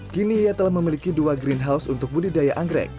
kini ia telah memiliki dua greenhouse untuk budidaya anggrek